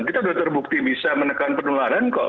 kita sudah terbukti bisa menekan penularan kok